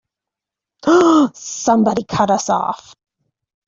Somebody cut us off!